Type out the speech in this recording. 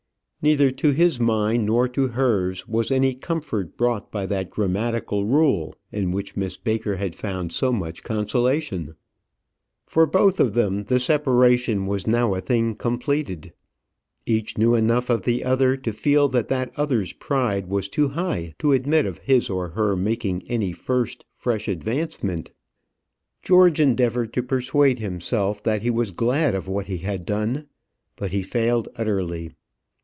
Neither to his mind nor to hers was any comfort brought by that grammatical rule in which Miss Baker had found so much consolation. For both of them the separation was now a thing completed. Each knew enough of the other to feel that that other's pride was too high to admit of his or her making any first fresh advancement. George endeavoured to persuade himself that he was glad of what he had done; but he failed utterly.